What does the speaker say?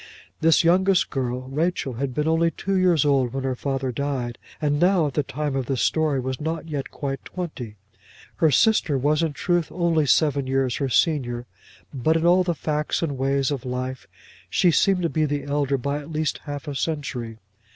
This youngest girl, Rachel, had been only two years old when her father died, and now, at the time of this story, was not yet quite twenty. Her sister was, in truth, only seven years her senior, but in all the facts and ways of life, she seemed to be the elder by at least half a century.